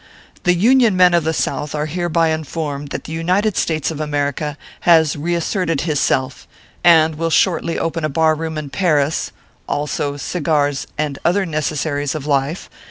c The Union men of the South are hereby informed that the United States of America has reasserted hisself, and will shortly open a bar room in Paris. Also, cigars and other necessaries of life.